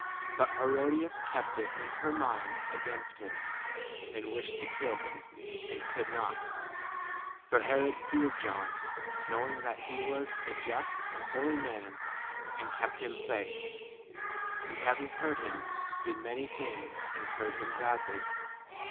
But Herodias kept it [in her mind] against him, and wished 20 to kill him, and could not : for Herod feared John, knowing that he was a just and holy man, and kept him safe ; r and having heard him, did many things, and heard 21 him gladly.